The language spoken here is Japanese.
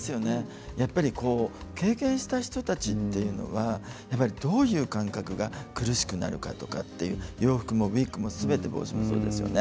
経験した人たちというのはどういう感覚が苦しくなるかとかいう洋服もウイッグも帽子もすべてそうですよね。